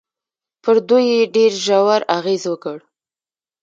پر دوی يې ډېر ژور اغېز وکړ.